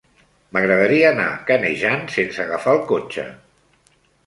M'agradaria anar a Canejan sense agafar el cotxe.